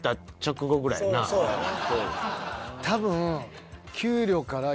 そうやな。